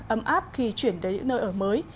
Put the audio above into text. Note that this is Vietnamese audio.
ấm áp khi chuyển đến nơi ở mới